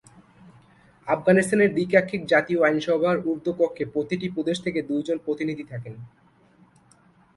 আফগানিস্তানের দ্বি-কাক্ষিক জাতীয় আইনসভার ঊর্ধ্ব কক্ষে প্রতিটি প্রদেশ থেকে দুইজন প্রতিনিধি থাকেন।